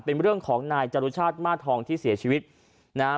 เป็นเรื่องของนายจรุชาติมาทองที่เสียชีวิตนะฮะ